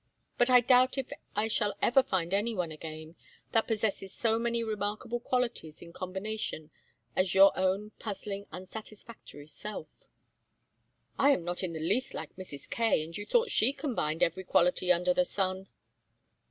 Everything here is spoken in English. But I doubt if I shall ever find anyone again that possesses so many remarkable qualities in combination as your own puzzling unsatisfactory self." "I am not in the least like Mrs. Kaye, and you thought she combined every quality under the sun."